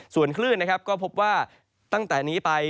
ส่วนคลื่นนะครับก็พบว่าตั้งแต่นี้ไป